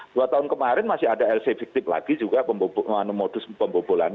dua tahun kemarin masih ada lc fiktif lagi juga modus pembobolan